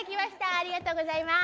ありがとうございます。